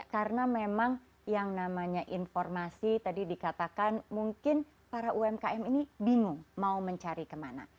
karena memang yang namanya informasi tadi dikatakan mungkin para umkm ini bingung mau mencari kemana